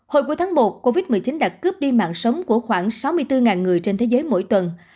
hồi cuối tháng một covid một mươi chín đã cướp đi mạng sống của khoảng sáu mươi bốn người trên thế giới mỗi tuần